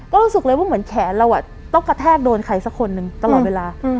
ก็รู้สึกเลยว่าเหมือนแขนเราต้องกระแทกโดนใครสักคนหนึ่งตลอดเวลา